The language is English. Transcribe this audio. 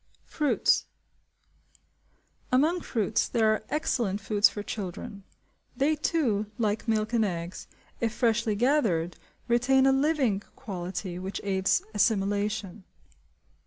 Fruits. Among fruits there are excellent foods for children. They too, like milk and eggs, if freshly gathered, retain a living quality which aids assimilation.